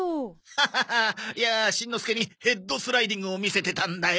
ハハハいやあしんのすけにヘッドスライディングを見せてたんだよ。